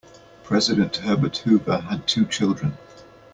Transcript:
President Herbert Hoover had two children.